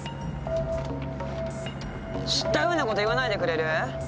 知ったふうな事言わないでくれる？